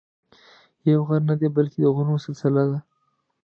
یو غر نه دی بلکې د غرونو سلسله ده.